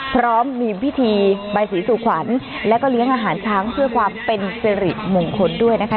พร้อมมีพิธีใบสีสู่ขวัญแล้วก็เลี้ยงอาหารช้างเพื่อความเป็นสิริมงคลด้วยนะคะ